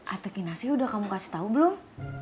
ate kinasi udah kamu kasih tahu belum